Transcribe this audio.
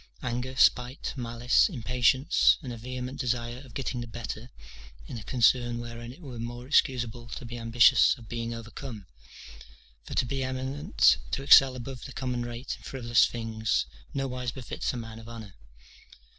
Anger, spite, malice, impatience, and a vehement desire of getting the better in a concern wherein it were more excusable to be ambitious of being overcome; for to be eminent, to excel above the common rate in frivolous things, nowise befits a man of honour.